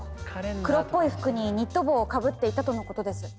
黒っぽい服にニット帽をかぶっていたとのことです。